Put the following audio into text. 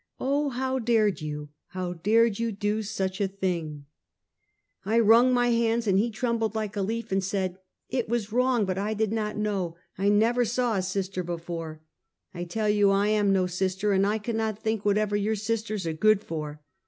Oh, how dared you? how dared you to do such a thing?" Find Work. 247 I wrung my hands, and he trembled like a leaf, and said. •>" It was wrong, but I did not know. I never saw a sister before —"" I tell you I am no sister, and I cannot think what ever your sisters are good for."